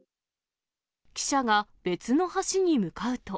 記者が別の橋に向かうと。